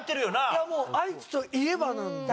いやもう愛知といえばなんで。